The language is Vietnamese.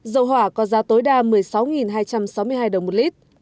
dầu hỏa có giá tối đa một mươi sáu hai trăm sáu mươi hai đồng một lít